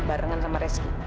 barengan sama reski